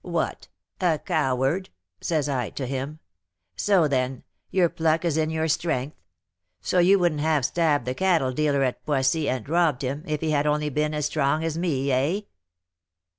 'What! a coward?' says I to him. 'So, then, your pluck is in your strength? So you wouldn't have stabbed the cattle dealer at Poissy, and robbed him, if he had only been as strong as me, eh?'